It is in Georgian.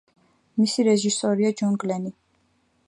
მისი რეჟისორია ჯონ გლენი.